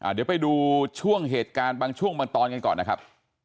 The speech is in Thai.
เดี๋ยวไปดูช่วงเหตุการณ์บางช่วงบางตอนกันก่อนนะครับ